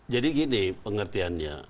jadi gini pengertiannya